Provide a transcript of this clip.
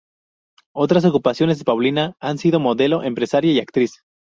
Otras ocupaciones de Paulina han sido modelo, empresaria y actriz.